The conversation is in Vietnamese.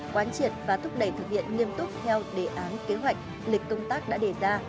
quán triệt và thúc đẩy thực hiện nghiêm túc theo đề án kế hoạch lịch công tác đã đề ra